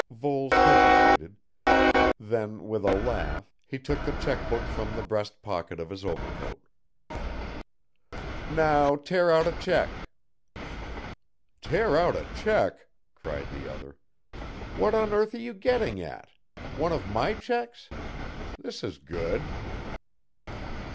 Voles hesitated, then, with a laugh, he took the cheque book from the breast pocket of his overcoat. "Now tear out a cheque." "Tear out a cheque," cried the other. "What on earth are you getting at one of my cheques this is good."